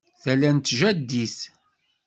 Tala n tjaddit